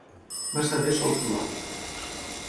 Massa bé sol fer mal.